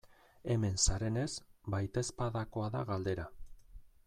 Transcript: Hemen zarenez, baitezpadakoa da galdera.